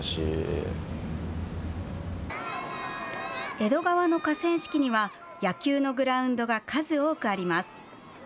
江戸川の河川敷には野球のグラウンドが数多くあります。